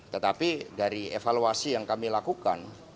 tetapi dari evaluasi yang kami lakukan